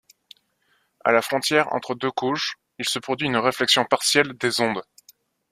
À la frontière entre deux couches, il se produit une réflexion partielle des ondes.